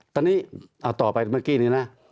ตอนนี้เอาต่อไปเมื่อกี้นี้นะ